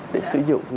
để sử dụng